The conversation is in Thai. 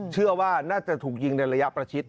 เชื่อว่าน่าจะถูกยิงในระยะประชิด